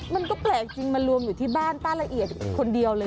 มันก็แปลกจริงมารวมอยู่ที่บ้านป้าละเอียดคนเดียวเลย